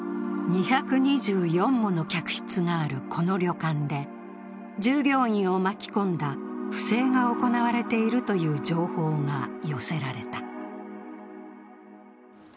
２２４もの客室がある、この旅館で従業員を巻き込んだ不正が行われているという情報が寄せられた。